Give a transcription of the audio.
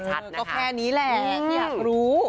ก็แพ้นี้แหละอยากรู้